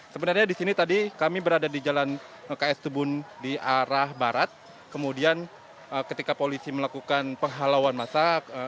sebenarnya di sini tadi kami berada di jalan ks tubun di arah barat kemudian ketika polisi melakukan penghalauan masa